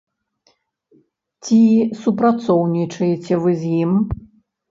Ці супрацоўнічаеце вы з ім?